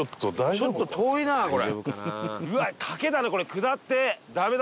ちょっと遠いなこれ。